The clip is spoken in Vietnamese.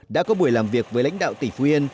đã có buổi làm việc với lãnh đạo tỉnh phú yên